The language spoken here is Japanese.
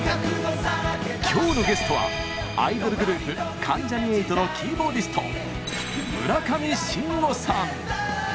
今日のゲストはアイドルグループ関ジャニ∞のキーボーディスト村上信五さん。